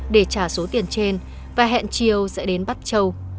để trả số tiền trên và hẹn chiều sẽ đến bắt trâu